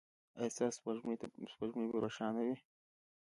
ایا ستاسو سپوږمۍ به روښانه وي؟